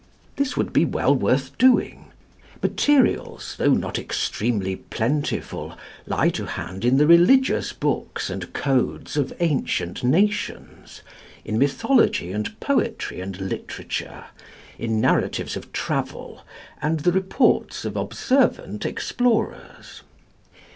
This would be well worth doing. Materials, though not extremely plentiful, lie to hand in the religious books and codes of ancient nations, in mythology and poetry and literature, in narratives of travel, and the reports of observant explorers.